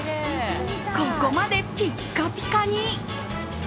ここまでピッカピカに。